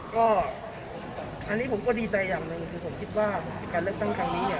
ก็อันนี้ผมก็ดีใจอย่างหนึ่งคือผมคิดว่าการเลือกตั้งครั้งนี้เนี่ย